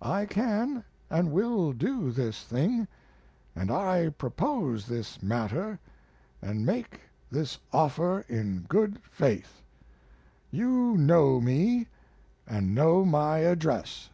I can, and will do this thing; and I propose this matter, and make this offer in good faith. You know me, and know my address.